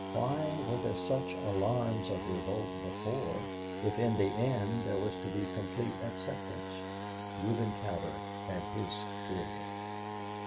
Why were there such alarms of revolt before, if in the end there was to be complete acceptance? Reuben Cowder had his theory.